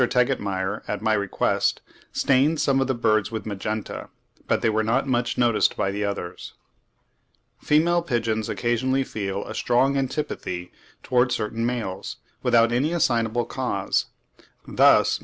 Tegetmeier, at my request, stained some of his birds with magenta, but they were not much noticed by the others. Female pigeons occasionally feel a strong antipathy towards certain males, without any assignable cause. Thus MM.